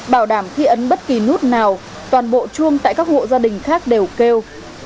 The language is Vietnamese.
bảo đảm khi ấn bất kỳ nút nào toàn bộ chuông tại các hộ gia đình khác đều kêu